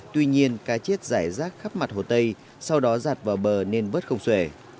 tuy nhiên cá chết giải rác khắp mặt hồ tây sau đó giặt vào bờ nên vớt không sể